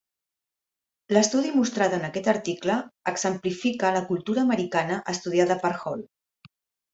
L'estudi mostrat en aquest article exemplifica la cultura americana estudiada per Hall.